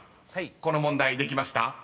この問題できました？］